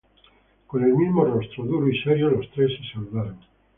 Con el mismo rostro duro y serio, los tres se saludaron.